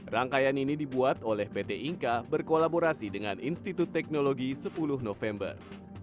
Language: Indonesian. rangkaian ini dibuat oleh pt inka berkolaborasi dengan institut teknologi sepuluh november